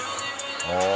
ああ。